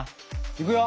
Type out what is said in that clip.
いくよ。